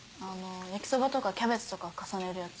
焼きそばとかキャベツとか重ねるやつ。